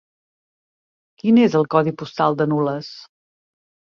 Quin és el codi postal de Nules?